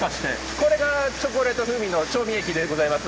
これがチョコレート風味の調味液でございます。